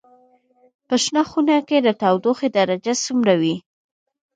په شنه خونه کې د تودوخې درجه څومره وي؟